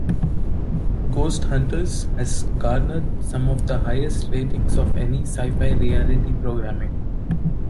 "Ghost Hunters" has garnered some of the highest ratings of any Syfy reality programming.